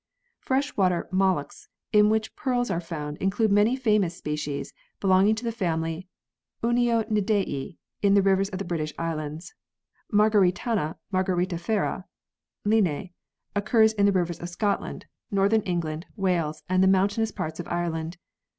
Fresh water molluscs in which pearls are found include many famous species belonging to the family Unionidae in the rivers of the British Islands. Margaritana margariti/era, Linne, occurs in the rivers of Scotland, northern England, Wales, and the mountainous parts of Ireland.